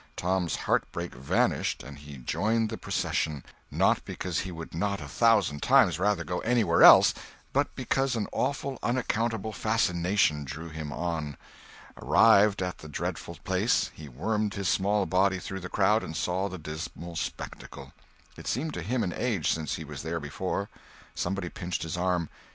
Tom's heartbreak vanished and he joined the procession, not because he would not a thousand times rather go anywhere else, but because an awful, unaccountable fascination drew him on. Arrived at the dreadful place, he wormed his small body through the crowd and saw the dismal spectacle. It seemed to him an age since he was there before. Somebody pinched his arm.